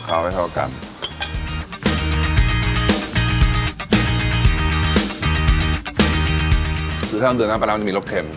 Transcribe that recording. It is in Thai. คือถ้าอาจารย์น้ำปลาร้าวมันจะมีรสเค็ม